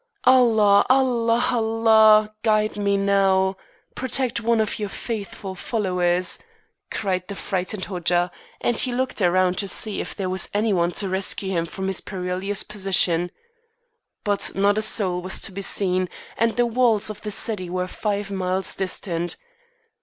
"Allah! Allah! Allah! Guide me now. Protect one of your faithful followers," cried the frightened Hodja, and he looked around to see if there was any one to rescue him from his perilous position. But not a soul was to be seen, and the walls of the city were five miles distant.